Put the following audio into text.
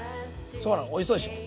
そうなのおいしそうでしょ？